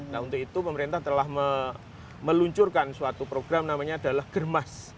nah untuk itu pemerintah telah meluncurkan suatu program namanya adalah germas